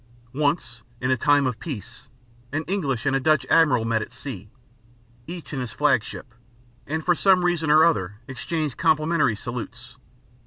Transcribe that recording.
Once, in time of peace, an English and a Dutch Admiral met at sea, each in his flag ship, and for some reason or other exchanged complimentary salutes.